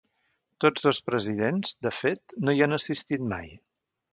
Tots dos presidents, de fet, no hi han assistit mai.